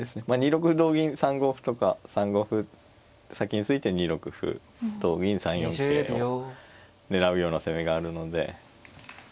まあ２六歩同銀３五歩とか３五歩先に突いて２六歩同銀３四桂を狙うような攻めがあるので。